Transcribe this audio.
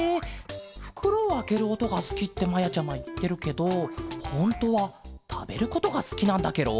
ふくろをあけるおとがすきってまやちゃまいってるけどほんとはたべることがすきなんだケロ？